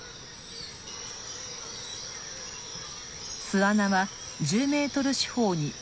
巣穴は１０メートル四方におよそ５０。